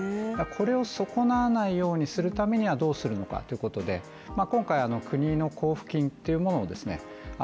これを損なわないようにするためにはどうするのかということで今回、国の交付金というものをですね